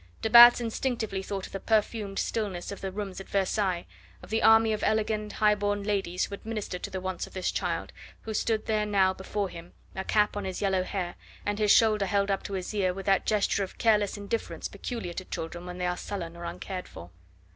De Batz instinctively thought of the perfumed stillness of the rooms at Versailles, of the army of elegant high born ladies who had ministered to the wants of this child, who stood there now before him, a cap on his yellow hair, and his shoulder held up to his ear with that gesture of careless indifference peculiar to children when they are sullen or uncared for.